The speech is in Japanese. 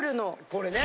これね！